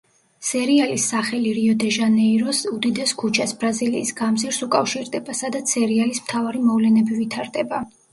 სერიალის სახელი რიო-დე-ჟანეიროს უდიდეს ქუჩას, ბრაზილიის გამზირს უკავშირდება, სადაც სერიალის მთავარი მოვლენები ვითარდება.